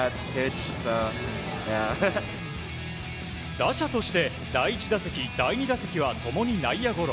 打者として第１打席、第２打席は共に内野ゴロ。